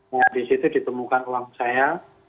ya akhirnya dia acak acak seluruh almari saya